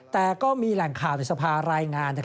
แต่ก็มีแหล่งข่าวในสภารายงาน